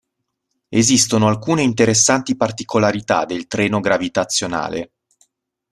Esistono alcune interessanti particolarità del treno gravitazionale.